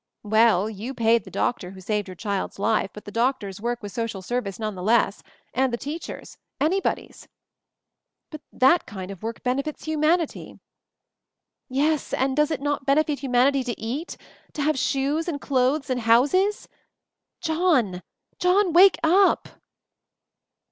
"Well, you paid the doctor who saved your child's life, but the doctor's work was social service none the less — and the teach er's — anybody's." "But that kind of work benefits hu manity —" "Yes, and does it not benefit humanity to eat — to have shoes and clothes and houses? John, John, wake up